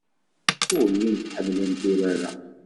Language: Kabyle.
Ur llint ḥemmlent urar-a.